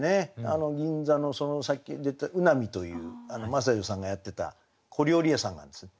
あの銀座のさっき出た卯波という真砂女さんがやってた小料理屋さんがあるんですよ。